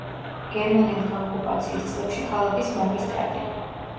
გერმანელთა ოკუპაციის წლებში ქალაქის მაგისტრატი.